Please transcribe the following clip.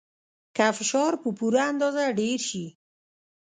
که فشار په پوره اندازه ډیر شي.